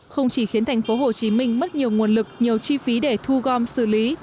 không chỉ khiến thành phố hồ chí minh mất nhiều nguồn lực nhiều chi phí để thu gom xử lý